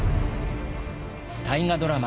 大河ドラマ